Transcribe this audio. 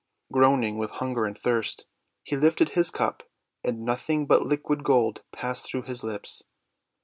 Groaning with hunger and thirst, he lifted his cup, and nothing but liquid gold passed through his lips.